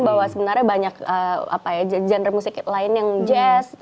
bahwa sebenarnya banyak genre musik lain yang jazz